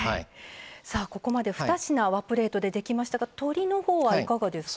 ここまでふた品和プレートができましたが鳥のほうはいかがですか。